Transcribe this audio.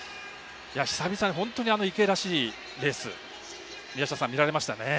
久々に本当に池江らしいレースが見られましたね。